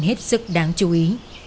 hết sức đáng chú ý